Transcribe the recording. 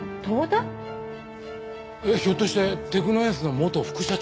ひょっとしてテクノエンスの元副社長？